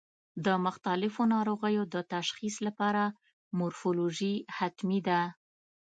د مختلفو ناروغیو د تشخیص لپاره مورفولوژي حتمي ده.